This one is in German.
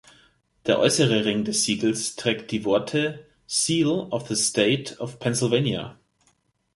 Der äußere Ring des Siegels trägt die Worte „"Seal of the State of Pennsylvania"“.